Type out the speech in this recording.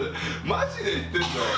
まじで言ってんの？